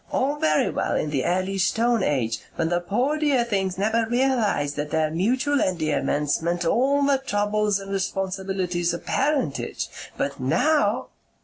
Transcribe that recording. All very well in the early Stone Age when the poor dear things never realized that their mutual endearments meant all the troubles and responsibilities of parentage. But NOW